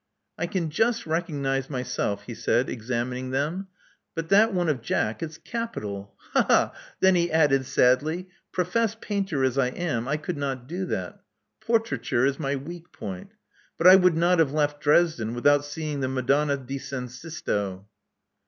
I can just recognize myself," he said, examining 226 Love Among the Artists them; but that one of Jack is capital. Ha! ha!" Then he added sadly, Professed painter as I am, I could not do that. Portraiture is my weak point. But I would not have left Dresden without seeing the Madonna di San Sisto."